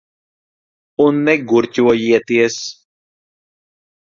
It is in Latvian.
Un negurķojieties.